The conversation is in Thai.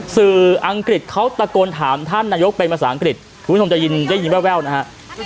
อังกฤษเขาตะโกนถามท่านนายกเป็นภาษาอังกฤษคุณผู้ชมจะยินได้ยินแววนะฮะ